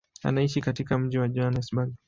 Anaishi katika mji wa Johannesburg.